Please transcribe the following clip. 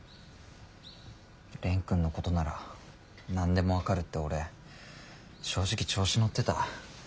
蓮くんのことなら何でも分かるって俺正直調子乗ってた。